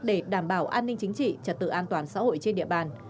để đảm bảo an ninh chính trị trật tự an toàn xã hội trên địa bàn